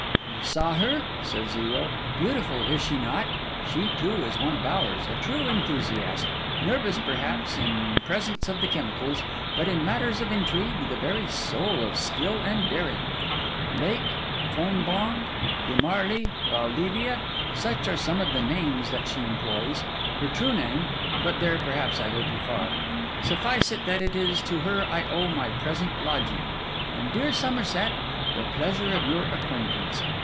'You saw her?' said Zero. 'Beautiful, is she not? She, too, is one of ours: a true enthusiast: nervous, perhaps, in presence of the chemicals; but in matters of intrigue, the very soul of skill and daring. Lake, Fonblanque, de Marly, Valdevia, such are some of the names that she employs; her true name—but there, perhaps, I go too far. Suffice it, that it is to her I owe my present lodging, and, dear Somerset, the pleasure of your acquaintance.